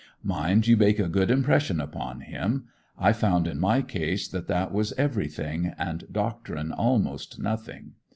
Mind you make a good impression upon him. I found in my case that that was everything and doctrine almost nothing.